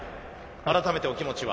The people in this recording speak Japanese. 改めてお気持ちは？